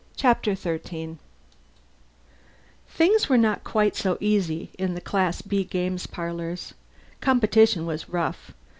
Chapter Thirteen Things were not quite so easy in the Class B games parlors. Competition was rough.